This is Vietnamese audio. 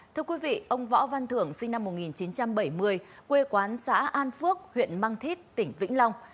thưa quý vị ông võ văn thưởng sinh năm một nghìn chín trăm bảy mươi quê quán xã an phước huyện mang thít tỉnh vĩnh long